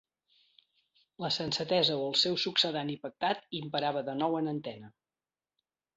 La sensatesa, o el seu succedani pactat, imperava de nou per antena.